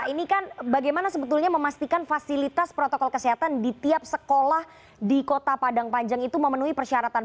ini kan bagaimana sebetulnya memastikan fasilitas protokol kesehatan di tiap sekolah di kota padang panjang itu memenuhi persyaratan